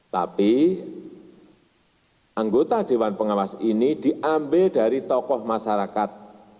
tapi anggota dewan pengawas ini diambil dari tokoh masyarakat